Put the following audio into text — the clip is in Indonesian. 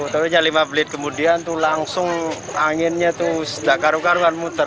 ternyata lima belit kemudian langsung anginnya itu sedak karu karuan muter